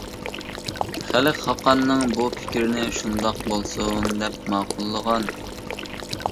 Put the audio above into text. خەلق خاقاننىڭ بۇ پىكرىنى «شۇنداق بولسۇن» دەپ ماقۇللىغان.